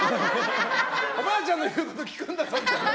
おばあちゃんの言うこと聞くんだぞ。